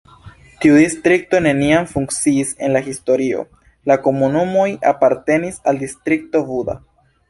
Tiu distrikto neniam funkciis en la historio, la komunumoj apartenis al Distrikto Buda.